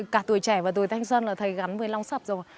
cả tuổi trẻ và tuổi thanh xuân là thầy gắn với long sập rồi